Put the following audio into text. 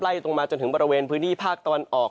ตรงมาจนถึงบริเวณพื้นที่ภาคตะวันออก